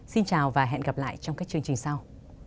xin chào và hẹn gặp lại trong các chương trình sau